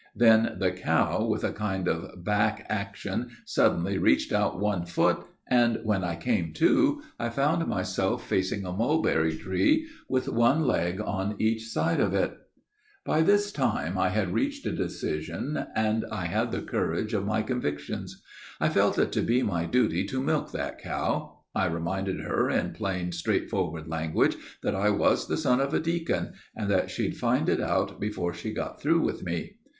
Then the cow, with a kind of back action, suddenly reached out one foot, and when I came to I found myself facing a mulberry tree, with one leg on each side of it. [Illustration: "AND WHEN I CAME DOWN."] "By this time I had reached a decision, and I had the courage of my convictions. I felt it to be my duty to milk that cow. I reminded her in plain, straightforward language that I was the son of a deacon, and that she'd find it out before she got through with me.